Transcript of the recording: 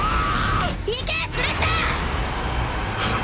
いけスレッタ！